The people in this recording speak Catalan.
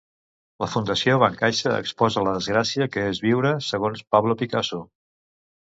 La Fundació Bancaixa exposa la desgràcia que és viure, segons Pablo Picasso.